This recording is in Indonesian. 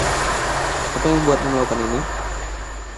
Apa yang membuatmu melakukan ini?